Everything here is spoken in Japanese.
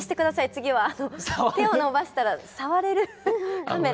次は手を伸ばしたら触れるカメラ。